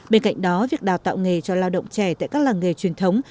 bên cạnh đó việc đào tạo nghề cho lao động trẻ tại các làng nghề truyền thống